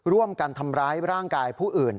ร่วมกันทำร้ายร่างกายผู้อื่น